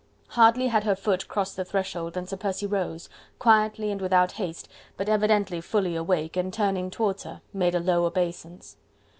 Hardly had her foot crossed the threshold than Sir Percy rose, quietly and without haste but evidently fully awake, and turning towards her, made her a low obeisance.